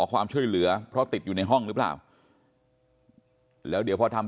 ความช่วยเหลือเพราะติดอยู่ในห้องหรือเปล่าแล้วเดี๋ยวพอทำ